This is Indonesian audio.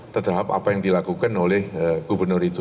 terhadap apa yang dilakukan oleh gubernur itu